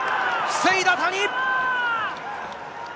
防いだ、谷。